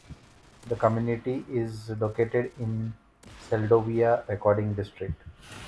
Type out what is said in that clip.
The community is located in the Seldovia Recording District.